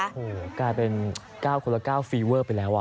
โหกลายเป็นก้าวคนละก้าวฟรีเวิร์ดไปแล้วอ่ะ